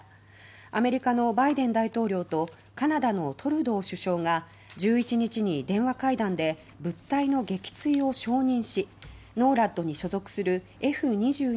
アメリカのバイデン大統領とカナダのトルドー首相が１１日に電話会談で物体の撃墜を承認しＮＯＲＡＤに所属するＦ２２